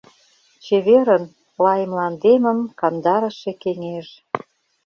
Чеверын, лай мландемым кандарыше кеҥеж!